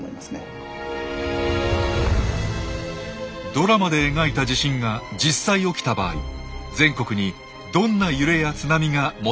ドラマで描いた地震が実際起きた場合全国にどんな揺れや津波がもたらされるのか。